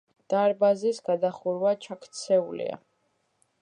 დარბაზის გადახურვა ჩაქცეულია.